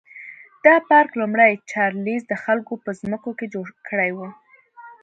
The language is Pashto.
دا پارک لومړي چارلېز د خلکو په ځمکو کې جوړ کړی و.